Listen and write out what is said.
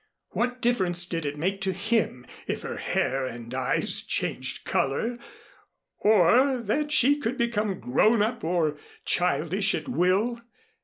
What difference did it make to him if her hair and eyes changed color or that she could become grown up or childish at will?